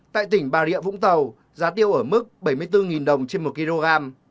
tại tỉnh bà rịa vũng tàu giá tiêu ở mức bảy mươi bốn đồng trên một kg